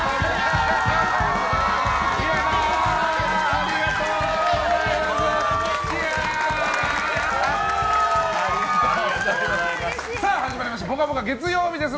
ありがとうございます！